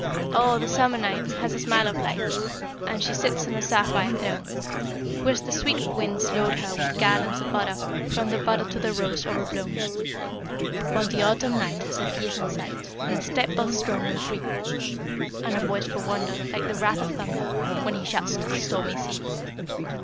Oh, the Summer night Has a smile of light And she sits on a sapphire throne; Whilst the sweet winds load her With garlands of odor, From the bud to the rose o'erblown! But the Autumn night Has a piercing sight, And a step both strong and free; And a voice for wonder, Like the wrath of the thunder, When he shouts to the stormy sea!